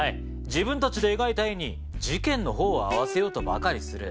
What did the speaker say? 自分たちで描いた絵に事件のほうを合わせようとばかりする」。